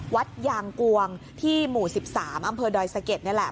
วัดยางกวงที่หมู่๑๓อำเภอดอยสะเก็ดนี่แหละ